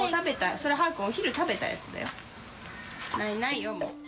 それ、はーくん、お昼食べたやつだよ。ないないよ、もう。